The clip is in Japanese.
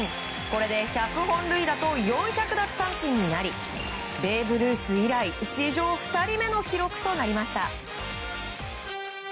これで１００本塁打と４００奪三振になりベーブ・ルース以来史上２人目の記録となりました。